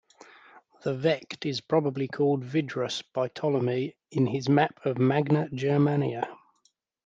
The Vechte is probably called Vidrus by Ptolemy in his map of Magna Germania.